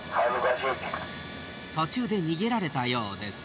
途中で逃げられたようです。